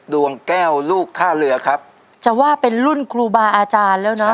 ดวงแก้วลูกท่าเรือครับจะว่าเป็นรุ่นครูบาอาจารย์แล้วเนอะ